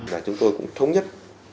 và chúng tôi cũng thống nhất